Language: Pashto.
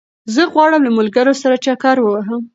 زه غواړم له ملګرو سره چکر ووهم